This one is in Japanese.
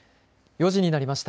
４時になりました。